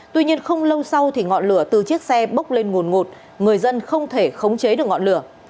tuy nhiên không lâu sau thì ngọn lửa từ chiếc xe bốc lên nguồn ngột người dân không thể khống chế được ngọn lửa